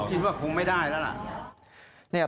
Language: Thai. คิดว่าคงไม่ได้แล้วล่ะ